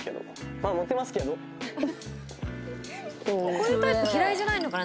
こういうタイプ嫌いじゃないのかな？